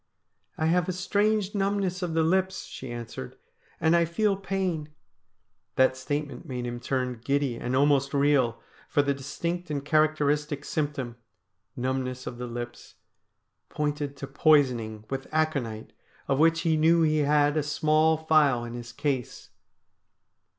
' I have a strange numbness of the lips,' she answered, ' and I feel pain ' That statement made him turn giddy and almost reel, for the distinct and characteristic symptom — numbness of the lips — pointed to poisoning with aconite, of which he knew he had a small phial in his case.